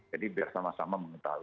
jadi biar sama sama mengetahui